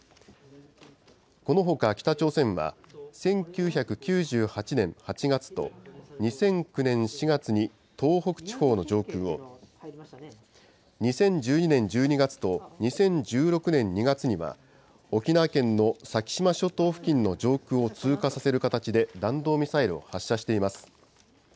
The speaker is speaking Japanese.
このほか北朝鮮は、１９９８年８月と、２００９年４月に東北地方の上空を、２０１２年１２月と２０１６年２月には、沖縄県の先島諸島付近の上空を通過させる形で弾道ミサイルを発射しています。